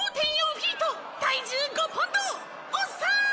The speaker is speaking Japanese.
フィート体重５ポンドおっさん！